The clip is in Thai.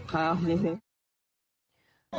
เอามาสอนนะ